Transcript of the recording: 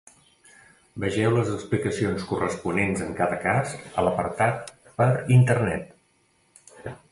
Vegeu les explicacions corresponents en cada cas, a l'apartat 'Per internet'.